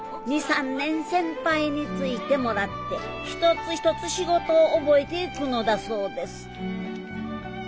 ２３年先輩についてもらって一つ一つ仕事を覚えていくのだそうです。